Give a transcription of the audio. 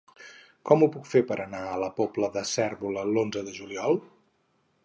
Com ho puc fer per anar a la Pobla de Cérvoles l'onze de juliol?